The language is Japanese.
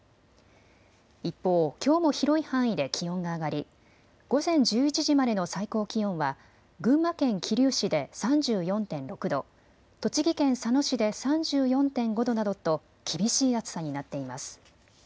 一方、きょうも広い範囲で気温が上がり午前１１時までの最高気温は群馬県桐生市で３４．６度、栃木県佐野市で３４．５度などと厳しい暑さになっています。